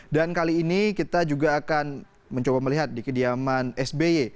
dan kali ini kita juga akan mencoba melihat di kediaman sby